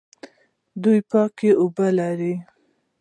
دوی پاکې اوبه لري.